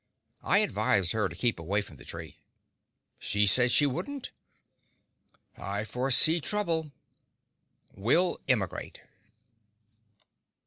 I advised her to keep away from the tree. She said she wouldn't. I foresee trouble. Will emigrate.